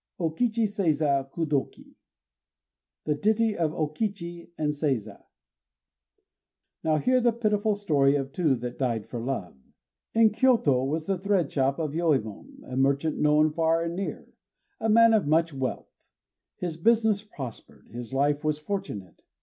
_ O KICHI SEIZA KUDOKI ("The Ditty of O Kichi and Seiza") Now hear the pitiful story of two that died for love. In Kyôto was the thread shop of Yoëmon, a merchant known far and near, a man of much wealth. His business prospered; his life was fortunate.